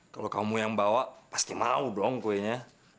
kalau kamu yang bawa pasti mau dong kuenya